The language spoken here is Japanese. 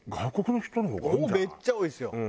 めっちゃ多いですよ。